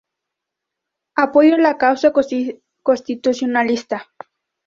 Apoyó la causa constitucionalista.